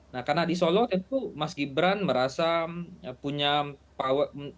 nah karena di solo itu mas gibran merasa punya power